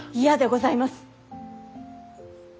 嫌でございます。